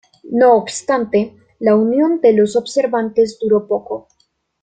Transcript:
No obstante, la unión de los observantes duró poco.